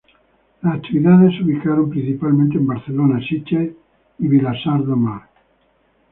Las actividades se ubicaron principalmente en Barcelona, Sitges y Vilassar de Mar.